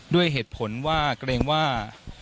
ด้วยเหตุผลว่าเกรงว่า